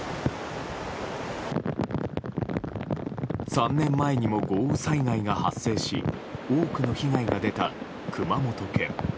３年前にも豪雨災害が発生し多くの被害が出た熊本県。